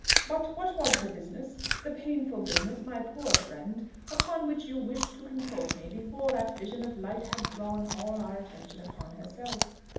"But what was the business, the painful business, my poor friend, upon which you wished to consult me, before that vision of light had drawn all our attention upon herself?